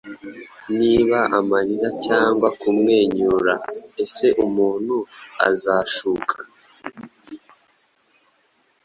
Niba amarira cyangwa kumwenyura Ese umuntu azashuka